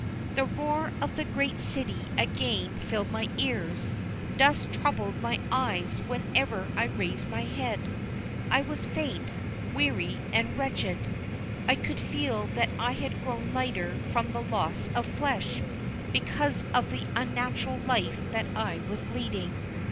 The roar of the great city again filled my ears, dust troubled my eyes whenever I raised my head. I was faint, weary, and wretched. I could feel that I had grown lighter from loss of flesh, because of the unnatural life that I was leading.